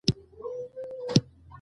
افغانستان د کوچیانو د ژوند کوربه دی.